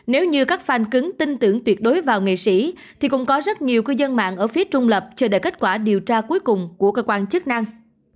nếu như các phan cứng tin tưởng tuyệt đối vào nghệ sĩ thì cũng có rất nhiều cư dân mạng ở phía trung lập chờ đợi kết quả điều tra cuối cùng của cơ quan chức năng